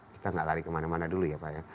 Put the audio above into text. kita nggak lari kemana mana dulu ya pak ya